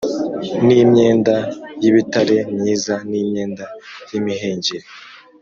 n’imyenda y’ibitare myiza n’imyenda y’imihengeri,